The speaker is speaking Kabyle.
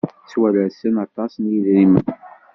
Ttwalasen aṭas n yidrimen.